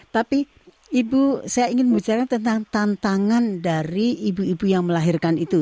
tapi ibu saya ingin membicarakan tentang tantangan dari ibu ibu yang melahirkan itu